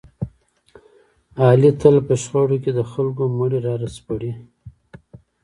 علي تل په شخړو کې د خلکو مړي را سپړي.